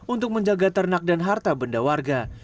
untuk menjaga ternak dan harta benda warga